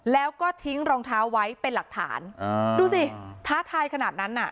แล้วก็ทิ้งรองเท้าไว้เป็นหลักฐานอ่าดูสิท้าทายขนาดนั้นน่ะ